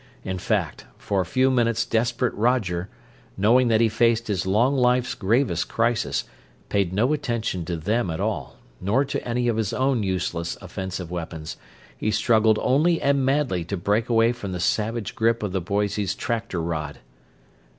In fact, for a few minutes desperate Roger, knowing that he faced his long life's gravest crisis, paid no attention to them at all, nor to any of his own useless offensive weapons: he struggled only and madly to break away from the savage grip of the Boise's tractor rod.